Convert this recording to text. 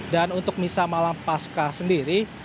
dan untuk misal malam pasca sendiri